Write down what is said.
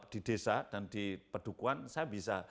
di desa dan di pedukuan saya bisa